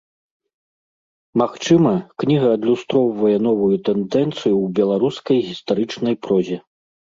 Магчыма, кніга адлюстроўвае новую тэндэнцыю ў беларускай гістарычнай прозе.